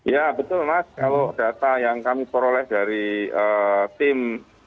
ya betul mas kalau data yang kami peroleh dari tim